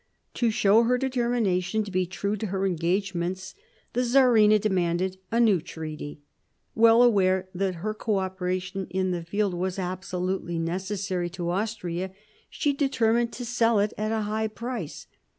To show her deter mination to be true to her engagements, the Czarina demanded a new treaty. Well aware that her co operation in the field was absolutely necessary to Austria, she determined to sell it at a high price.